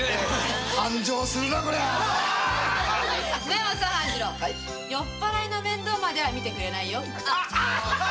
でも半次郎酔っ払いの面倒までは見てくれないよ。